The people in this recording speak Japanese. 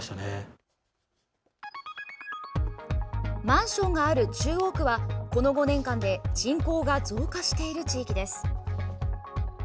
マンションがある中央区はこの５年間で人口が増加している地域です。